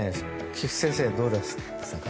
菊地先生、どうですか。